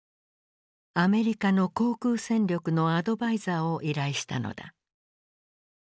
アメリカの航空戦力のアドバイザーを依頼したのだ。